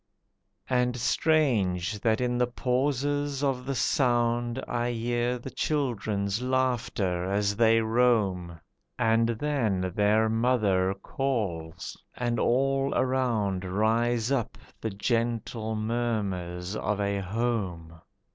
And strange that in the pauses of the sound I hear the children's laughter as they roam, And then their mother calls, and all around Rise up the gentle murmurs of a home.